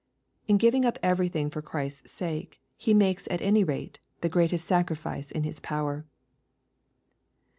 In giving up everything for Christ's sake, he makes, at any rate, the greatest sacrifice in his power.